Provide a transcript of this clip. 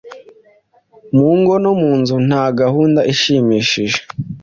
Mu ngo no munzu nta gahunda ishimishije